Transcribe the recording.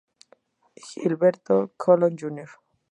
Gilberto Colón Jr.